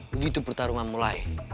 begitu pertarungan mulai